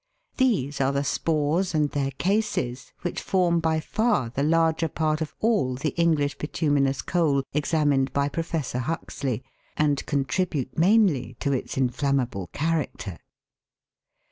These are the spores and their cases, which form by far the larger part of all the English bituminous coal examined by Professor Huxley, and contribute mainly to its inflammable character.